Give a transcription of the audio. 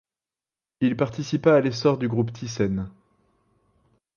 Il participa à l'essor du groupe Thyssen.